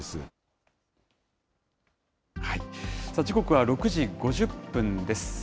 時刻は６時５０分です。